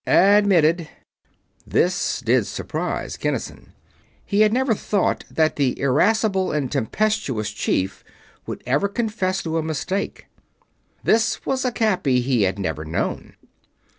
"Admitted." This did surprise Kinnison. He had never thought that the irascible and tempestuous Chief would ever confess to a mistake. This was a Cappy he had never known.